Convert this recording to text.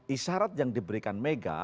isyarat yang diberikan mega